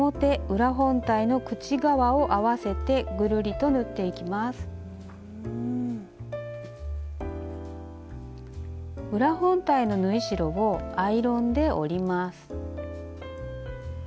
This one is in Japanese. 裏本体の縫い代をアイロンで折ります。